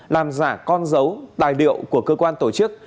làm giả con dấu tài liệu của cơ quan tổ chức